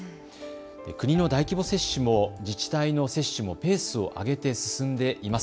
国の大規模接種も自治体の接種もペースを上げて進んでいます。